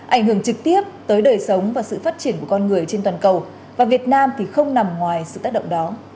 ảnh hưởng trực tiếp tới đời sống và sự phát triển của con người trên toàn cầu và việt nam thì không nằm ngoài sự tác động đó